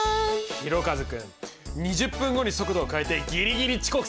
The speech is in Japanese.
ひろかず君２０分後に速度を変えてギリギリ遅刻せず。